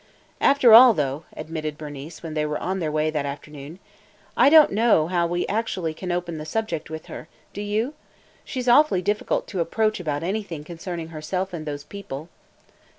"After all, though," admitted Bernice when they were on their way that afternoon, "I don't know how we actually can open the subject with her, do you? She 's awfully difficult to approach about anything concerning herself and those people."